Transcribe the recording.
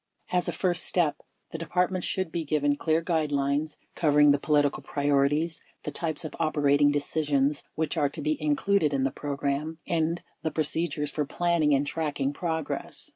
369 As a first step, the Departments should be given clear guidelines covering the political priorities, the types of op erating decisions which are to be included in the program, and the procedures for planning and tracking progress.